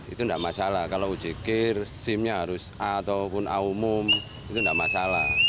itu tidak masalah kalau uji kir simnya harus ataupun aumum itu tidak masalah